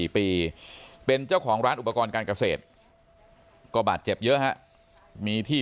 เป็นเจ้าของร้านอุปกรณ์การเกษตรก็บาดเจ็บเยอะฮะมีที่